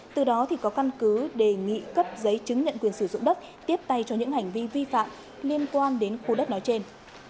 từ đó có căn cứ đề nghị cấp giấy chứng nhận quyền sử dụng đất tiếp tay cho những hành vi vi phạm liên quan đến khu đất nói trên